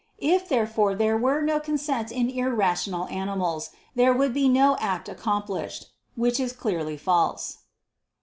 If therefore there were no consent in irrational animals, there would be no act accomplished; which is clearly false.